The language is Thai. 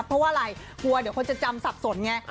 เพราะว่าอะไรกลัวเดี๋ยวคนจะจำสับสนไง